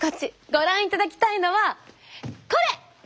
ご覧いただきたいのはこれ！